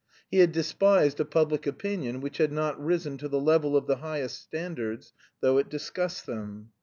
He had despised a public opinion, which had not risen to the level of the highest standards, though it discussed them.